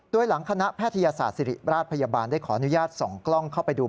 โดยหลังคณะแพทยศาสตร์ศิริราชพยาบาลได้ขออนุญาตส่องกล้องเข้าไปดู